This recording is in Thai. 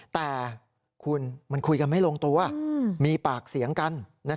แต่คุณมันคุยกันไม่ลงตัวมีปากเสียงกัน